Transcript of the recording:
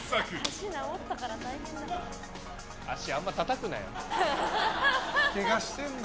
足治ったから大変だ。